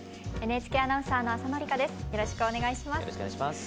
ＮＨＫアナウンサーの浅野里香です。